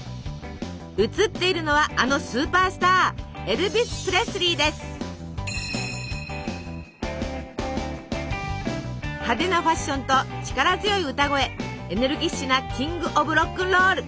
写っているのはあのスーパースター派手なファッションと力強い歌声エネルギッシュなキング・オブロックンロール！